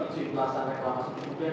izin belasan yang telah disediakan